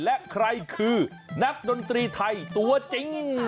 และใครคือนักดนตรีไทยตัวจริง